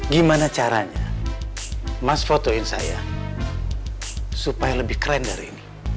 gimana caranya mas fotoin saya supaya lebih keren dari ini